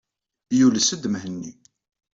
Yules-d Mhenni.